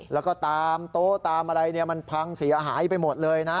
แล้วก็ตามโต๊ะตามอะไรมันพังเสียหายไปหมดเลยนะ